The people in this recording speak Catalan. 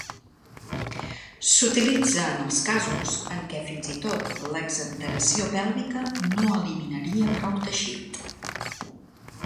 S'utilitza en els casos en què fins i tot l'exenteració pèlvica no eliminaria prou teixit.